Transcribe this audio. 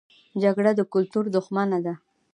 جګړه د کلتور دښمنه ده